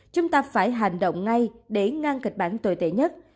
chúng ta phải hành động ngay để ngăn kịch bản tồi tệ nhất